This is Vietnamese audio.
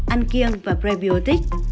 ăn kiêng và prebiotic